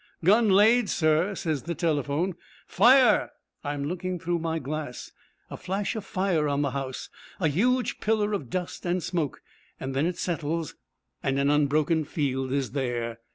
'Gun laid, sir,' says the telephone. 'Fire!' I am looking through my glass. A flash of fire on the house, a huge pillar of dust and smoke then it settles, and an unbroken field is there.